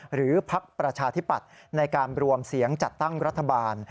หรือพรรคประชาธิบัติในการรวมเสียงจัดตั้งรัฐบาล